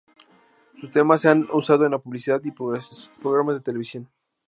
Sus temas se han usado en publicidad y programas de televisión.